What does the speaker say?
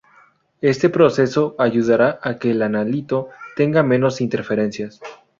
Este proceso ayudara a que el analito tenga menos interferencias.